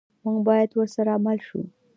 موږ باید ورسره مل شو.